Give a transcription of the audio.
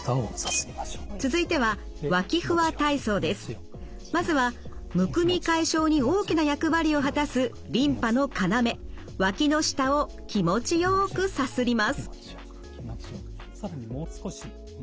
続いてはまずはむくみ解消に大きな役割を果たすリンパの要脇の下を気持ちよくさすります。